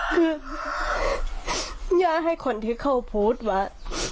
คืออยากให้คนที่เขาพูดว่า